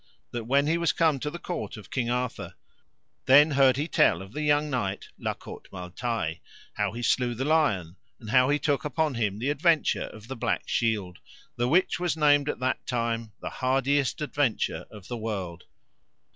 That when he was come to the court of King Arthur, then heard he tell of the young knight La Cote Male Taile, how he slew the lion, and how he took upon him the adventure of the black shield, the which was named at that time the hardiest adventure of the world.